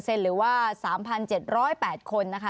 คนที่โหวต๙๗หรือว่า๓๗๐๘คนนะคะ